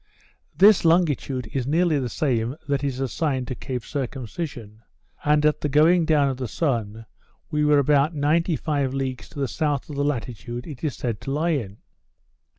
This longitude is nearly the same that is assigned to Cape Circumcision; and at the going down of the sun we were about ninety five leagues to the south of the latitude it is said to lie in.